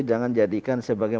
jangan jadikan sebagai